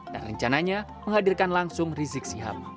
dan rencananya menghadirkan langsung rizik sihab